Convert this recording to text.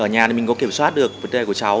ở nhà thì mình có kiểm soát được vấn đề của cháu